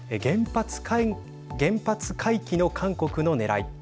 原発回帰の韓国のねらい。